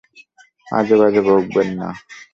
আজেবাজে বকবেন না।